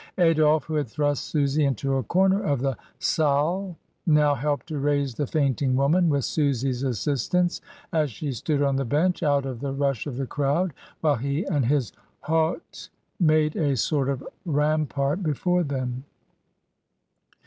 Adolphe, who had thrust Susy into a corner of the salUy now helped to raise the fainting woman, with Susy's assistance, as she stood on the bench, out of the rush of the crowd, while he and his hotie made a sort of rampart before them.